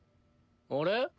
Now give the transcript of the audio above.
あれ？